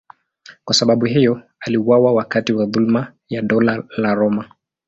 Kwa sababu hiyo aliuawa wakati wa dhuluma ya Dola la Roma.